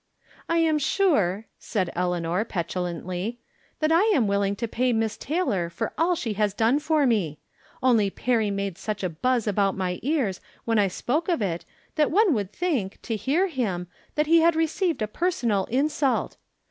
" I am sure," said Eleanor, petulantly, " that I am willing to pay Miss Taylor for all she has done for me. Only Perry made such a buzz about my ears when I spoke of it that one would think, to hear him, that he had received a per sonal insult.